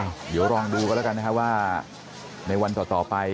เดี๋ยวลองดูกันแล้วกันนะครับว่าในวันต่อไป